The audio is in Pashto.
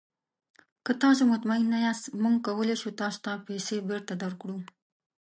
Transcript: که تاسو مطمین نه یاست، موږ کولی شو تاسو ته پیسې بیرته درکړو.